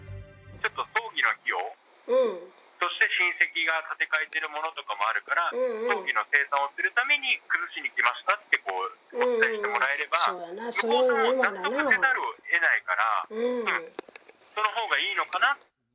ちょっと葬儀の費用として、親戚が立て替えてるものとかもあるから、葬儀の精算をするために、崩しに来ましたってお伝えしてもらえれば、向こう様も納得せざるをえないから、そのほうがいいのかな。